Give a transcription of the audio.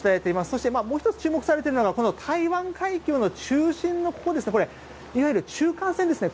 そしてもう１つ注目されているのがこの台湾海峡の中心のいわゆる中間線ですね